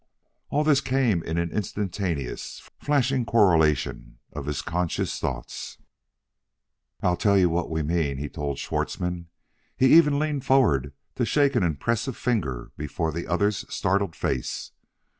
All this came in an instantaneous, flashing correlation of his conscious thoughts. "I'll tell you what we mean," he told Schwartzmann. He even leaned forward to shake an impressive finger before the other's startled face.